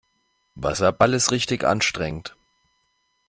Wasserball ist richtig anstrengend.